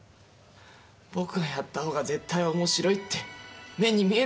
「僕がやったほうが絶対面白い」って目に見えていた。